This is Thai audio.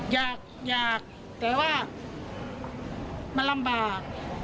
อยากอยากแต่ว่ามันลำบาก